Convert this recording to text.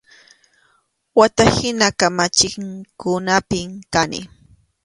Wata hina kamachinkunapi kani.